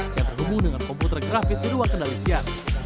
yang terhubung dengan komputer grafis di ruang kendali siang